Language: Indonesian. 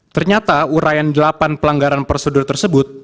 ternyata urayan delapan pelanggaran prosedur tersebut